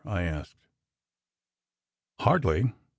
I asked. "Hardly.